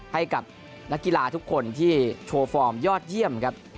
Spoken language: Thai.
ให้กับนักกีฬาทุกคนที่โชว์ฟอร์มยอดเยี่ยมครับ